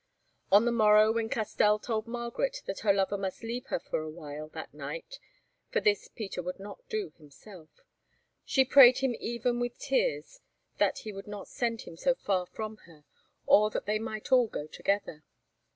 On the morrow when Castell told Margaret that her lover must leave her for a while that night—for this Peter would not do himself—she prayed him even with tears that he would not send him so far from her, or that they might all go together.